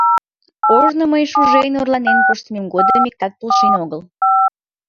Ожно мый шужен, орланен коштмем годым иктат полшен огыл!